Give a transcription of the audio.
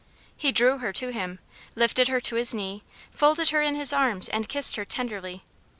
He drew her to him; lifted her to his knee; folded her in his arms, and kissed her tenderly.